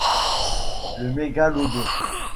Le Mégalodon.